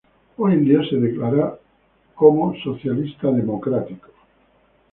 Hoy en día se declara como socialista democrático.